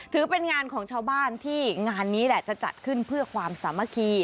ถือเป็นงานของชาวบ้านที่งานนี้แหละจะจัดขึ้นเพื่อความสามัคคี